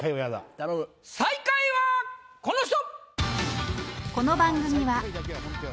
最下位はこの人！